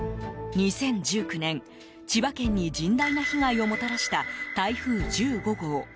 ２０１９年、千葉県に甚大な被害をもたらした台風１５号。